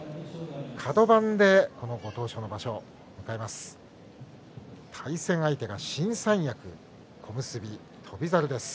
カド番でご当所場所を迎えます。